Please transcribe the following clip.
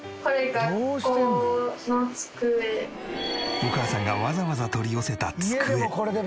お母さんがわざわざ取り寄せた机。